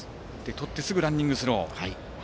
とってすぐランニングスロー。